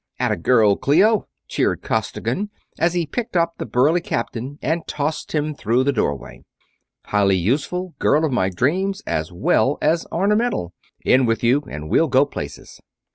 "At a girl, Clio!" cheered Costigan, as he picked up the burly captain and tossed him through the doorway. "Highly useful, girl of my dreams, as well as ornamental. In with you, and we'll go places!"